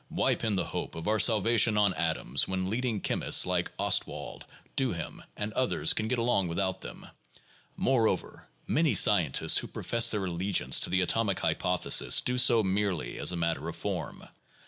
Why pin the hope of our salvation on atoms when leading chemists like Ostwald, Duhem, and others can get along without them ? Moreover, many scientists who profess their allegiance to the atomic hypothesis do so merely as a matter of form.